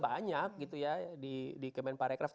banyak gitu ya di kemenparekraf